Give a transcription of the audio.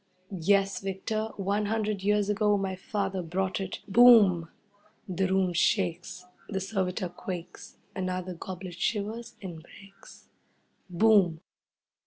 "Yes, Victor, one hundred years ago my father brought it " Boom! The room shakes, the servitor quakes. Another goblet shivers and breaks. Boom!